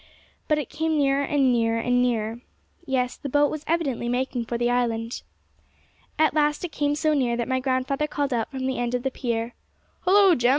But it came nearer, and nearer, and nearer. Yes, the boat was evidently making for the island. At last it came so near that my grandfather called out from the end of the pier, 'Hollo, Jem!